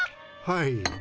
はい。